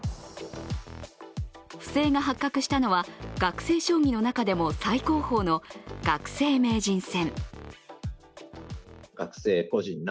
不正が発覚したのは学生将棋の中でも最高峰の学生名人戦。